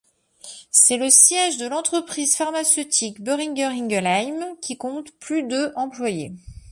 C'est le siège de l'entreprise pharmaceutique, Boehringer-Ingelheim, qui compte plus de employés.